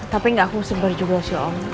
tapi gak aku sebar juga show om